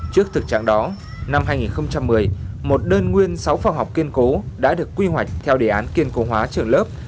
trước thực trạng đó năm hai nghìn một mươi một đơn nguyên sáu phòng học kiên cố đã được quy hoạch theo đề án kiên cố hóa trường lớp